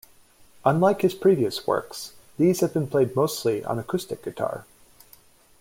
Unlike his previous works, these have been played mostly on acoustic guitar.